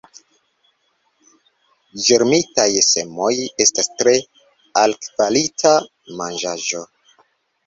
Ĝermitaj semoj estas tre altkvalita manĝaĵo.